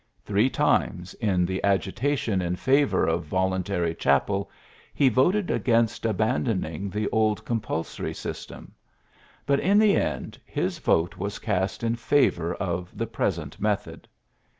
Three times, in the agitatioii in favor of voluntary chapel, he voted against abandoning the old comx)ulsory system ; but in the end his vote was cast in favor of the present method.